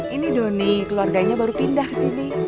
ini doni keluarganya baru pindah kesini